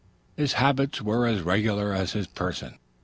His habits were as regular as his person.